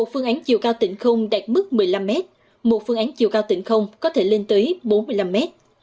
một phương án chiều cao tỉnh không đạt mức một mươi năm mét một phương án chiều cao tỉnh không có thể lên tới bốn mươi năm mét